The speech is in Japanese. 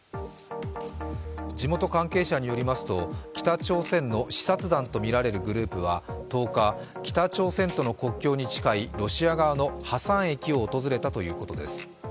地元関係者によりますと、北朝鮮の視察団とみられるグループは１０日、北朝鮮との国境に近いロシア側のハサン駅を訪れたということです。